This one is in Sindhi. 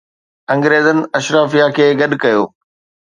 انگريزن اشرافيه کي گڏ ڪيو.